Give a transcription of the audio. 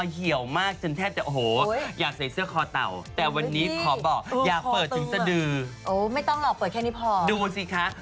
ถึงพี่จะเจอนุ่นตั้งแต่เด็กอายุ๑๔แต่วันนี้พี่ก็อาจจะมีอารมณ์ดูหน้า